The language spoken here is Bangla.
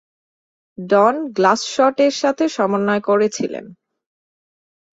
ডন "গ্লাস শট" এর সাথে এর সমন্বয় করেছিলেন।